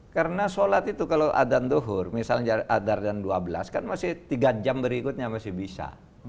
karena sholat itu kalau adan duhur misalnya adan dua belas kan masih tiga jam berikutnya masih bisa